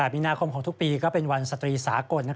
มีนาคมของทุกปีก็เป็นวันสตรีสากล